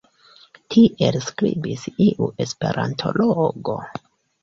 Tiel skribis iu esperantologo.